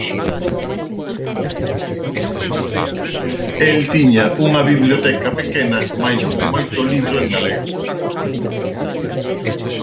El tiña unha biblioteca pequena, mais con moito libro en galego.